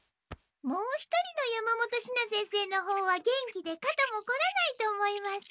もう一人の山本シナ先生の方は元気でかたもこらないと思います。